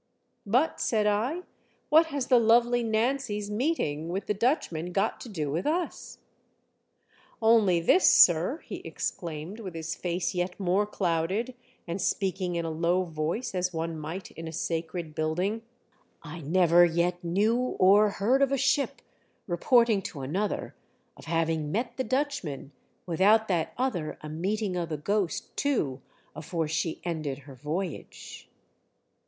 "But," said I, "what has the Lovely Nancy's meeting with the Dutchman got to do with us ?"" Only this, sir," he exclaimed, with his face yet more clouded, and speaking in a low voice, as one might in a sacred building, " I never yet knew or heard of a ship reporting to another of having met the Dutchman without that other a meeting of the Ghost too afore she ended her voyage."